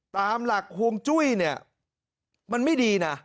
ตามหลักฮวงจุ้ยมันไม่ดีนะ